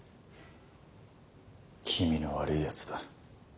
気味の悪いやつだ。